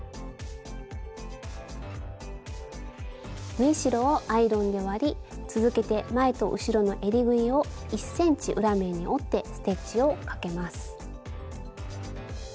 縫い代をアイロンで割り続けて前と後ろのえりぐりを１ｃｍ裏面に折ってステッチをかけます。